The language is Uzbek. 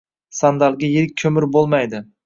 Sandalga yirik ko‘mir bo‘lmaydi.